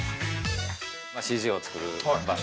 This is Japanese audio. ＣＧを作る場所